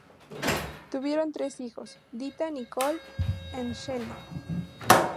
Tuvieron tres hijos: Dita, Nicola and Shelley.